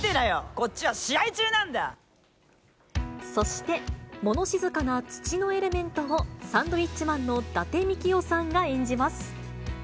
こっちそして、もの静かな土のエレメントを、サンドウィッチマンの伊達みきおさんが演じます。